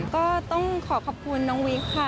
ก็ต้องขอขอบคุณน้องวิกค่ะ